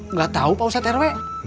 nggak tahu pak ustadz rw